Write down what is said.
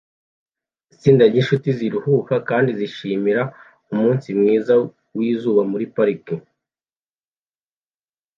Itsinda ryinshuti ziruhuka kandi zishimira umunsi mwiza wizuba muri parike